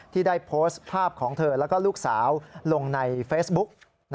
ที่ได้โพสต์ภาพของเธอแล้วก็ลูกสาวลงในเฟซบุ๊ก